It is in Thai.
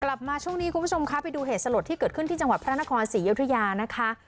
กลับมาช่วงนี้คุณผู้ชมคะไปดูเหตุสลดที่เกิดขึ้นที่จังหวัดพระนครศรีอยุธยานะคะ